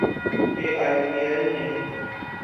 کہ I P L نے